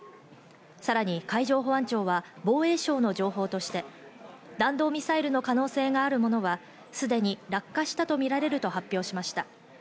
さらに海上保安庁は防衛省の情報として、弾道ミサイルの可能性があるものはすでに落下したとみられると発表しました。